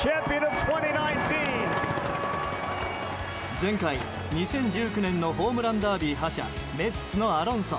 前回、２０１９年のホームランダービー覇者メッツのアロンソ。